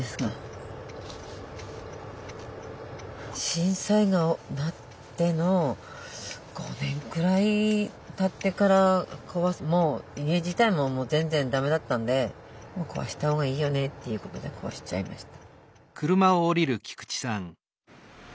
震災なっての５年くらいたってからもう家自体も全然だめだったんでもう壊した方がいいよねっていうことで壊しちゃいました。